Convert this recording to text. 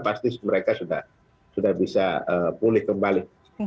pasti mereka sudah bisa pulih kembali